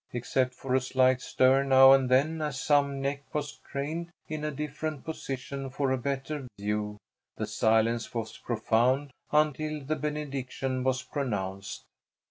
Except for a slight stir now and then as some neck was craned in a different position for a better view, the silence was profound, until the benediction was pronounced.